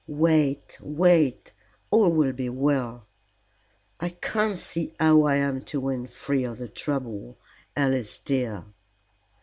"Wait, wait! All will be well." "I can't see how I am to win free of the trouble, Alice dear."